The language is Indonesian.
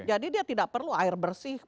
jadi dia tidak perlu air bersih